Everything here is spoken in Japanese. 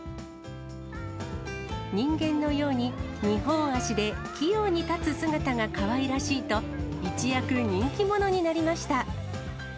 人間のように二本足で器用に立つ姿がかわいらしいと、一躍、人気者になりました。